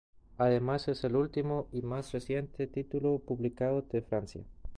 Además es el último y más reciente título publicado en Francia.